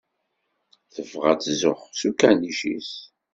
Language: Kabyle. Tebɣa ad tzuxx s ukanic-is.